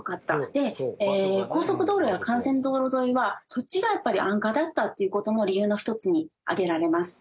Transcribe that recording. で高速道路や幹線道路沿いは土地がやっぱり安価だったっていう事も理由の一つに挙げられます。